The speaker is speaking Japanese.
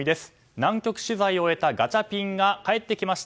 南極取材を終えたガチャピンが帰ってきました。